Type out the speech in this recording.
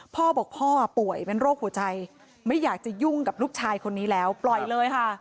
พ่อบอกพ่อป่วยเป็นโรคหัวใจไม่อยากจะยุ่งกับลูกชายคนนี้แล้วปล่อยเลยค่ะ